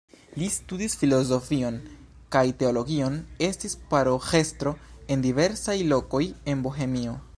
Li studis filozofion kaj teologion, estis paroĥestro en diversaj lokoj en Bohemio.